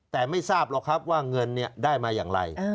แต่ไม่ทราบหรอกครับว่าเงินได้มาอย่างไร